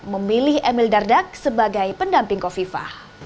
memilih emil dardak sebagai pendamping kofifa